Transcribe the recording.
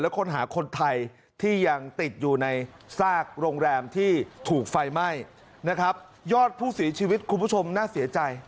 ค้นหาคนไทยที่ยังติดอยู่ในซากโรงแรมที่ถูกไฟไหม้นะครับยอดผู้เสียชีวิตคุณผู้ชมน่าเสียใจ